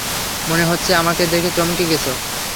মনেহচ্ছে, আমাকে দেখে চমকে গেছো।